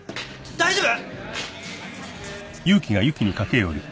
大丈夫？